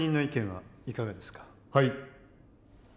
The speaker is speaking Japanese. はい。